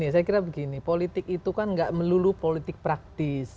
saya kira begini politik itu kan gak melulu politik praktis